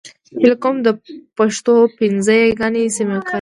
هيله کوم د پښتو پنځه يېګانې سمې کاروئ !